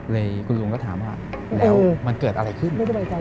เลยคุณลุงก็ถามว่าแล้วมันเกิดอะไรขึ้น